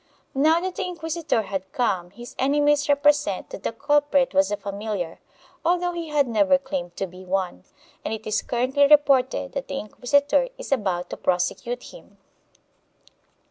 Now that the inquisitor had come his enemies represent that the culprit was a familiar, although he had never claimed to be one, and it is currently reported that the inquisitor is about to prosecute him (Ferrer)